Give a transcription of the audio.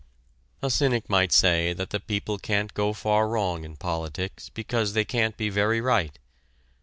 A cynic might say that the people can't go far wrong in politics because they can't be very right.